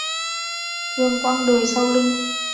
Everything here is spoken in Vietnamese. Thương quãng đời sau lưng